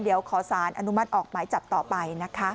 เดี๋ยวขอสารอนุมัติออกหมายจับต่อไปนะคะ